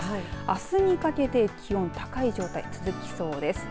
あすにかけて気温高い状態続きそうです。